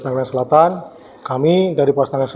kembali baru kepada simpul episode aus